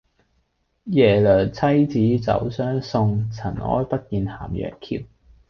耶娘妻子走相送，塵埃不見咸陽橋。